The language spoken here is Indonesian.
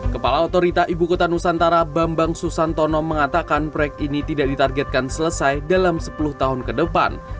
kepala otorita ibu kota nusantara bambang susantono mengatakan proyek ini tidak ditargetkan selesai dalam sepuluh tahun ke depan